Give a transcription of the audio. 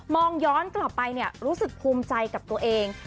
ย้อนกลับไปรู้สึกภูมิใจกับตัวเอง